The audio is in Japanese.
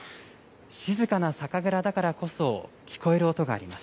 静かな酒蔵だからこそ聞こえる音があります。